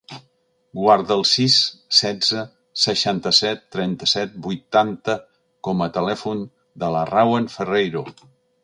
Guarda el sis, setze, seixanta-set, trenta-set, vuitanta com a telèfon de la Rawan Ferreiro.